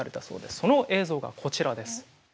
その映像がこちらです。